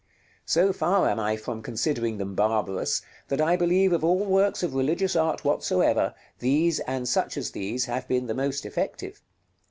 So far am I from considering them barbarous, that I believe of all works of religious art whatsoever, these, and such as these, have been the most effective.